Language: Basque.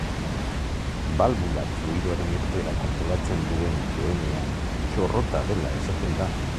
Balbulak fluidoaren irteera kontrolatzen duen duenean, txorrota dela esaten da.